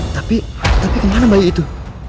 tapi kemana bayi itu